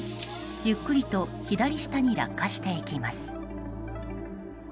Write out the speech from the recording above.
ゆっくりと左下に落下していきます。